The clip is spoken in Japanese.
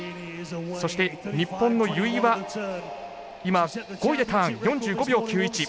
そして日本の由井は今５位でターン４５秒９１。